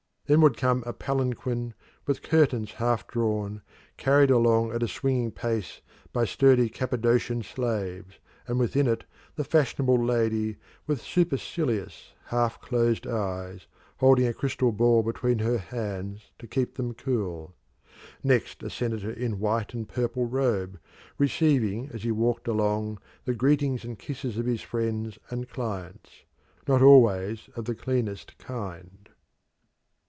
Then would come a palanquin with curtains half drawn, carried along at a swinging pace by sturdy Cappadocian slaves, and within it the fashionable lady with supercilious, half closed eyes, holding a crystal ball between her hands to keep them cool. Next a senator in white and purple robe, receiving as he walked along the greetings and kisses of his friends and clients, not always of the cleanest kind.